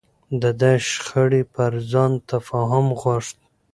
ده د شخړې پر ځای تفاهم غوښت.